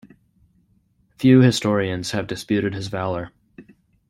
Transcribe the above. Few historians have disputed his valour.